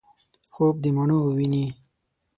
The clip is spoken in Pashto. خوب دمڼو وویني